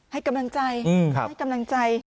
ให้กำลังใจ